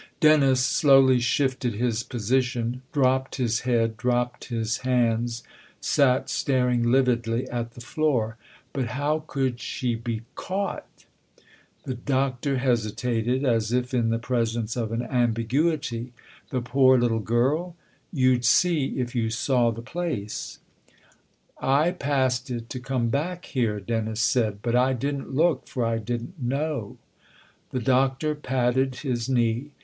Dennis slowly shifted his position, dropped his head, dropped his hands, sat staring lividly at the floor. " But how could she be caught?" The Doctor hesitated, as if in the presence of an ambiguity. " The poor little girl ? You'd see if you saw the place." THE OTHER HOUSE 289 " I passed it to come back here," Dennis said. " But I didn't look, for I didn't know." The Doctor patted his knee.